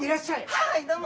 はいどうも！